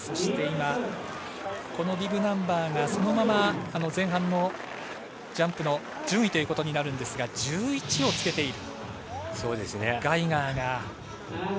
このビブナンバーがそのまま前半のジャンプの順位ということになるんですが１１位をつけているガイガーが。